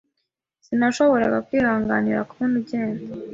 Sinashoboraga kwihanganira kubona ugenda.